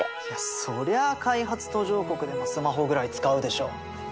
いやそりゃあ開発途上国でもスマホぐらい使うでしょ。